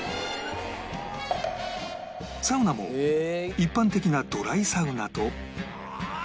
サウナも一般的なドライサウナと